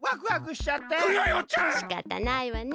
しかたないわね。